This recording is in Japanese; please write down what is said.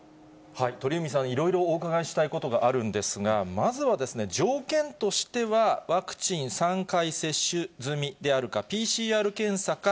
鳥海さん、いろいろお伺いしたいことがあるんですが、まずはですね、条件としてはワクチン３回接種済みであるか、ＰＣＲ検査か、